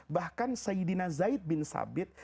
bahkan sayyidina zaid bin sabit